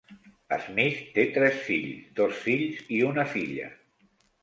Smith té tres fills, dos fills i una filla.